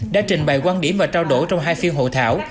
đã trình bày quan điểm và trao đổi trong hai phiên hội thảo